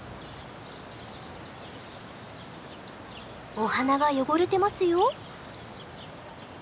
お鼻が汚れてますよ。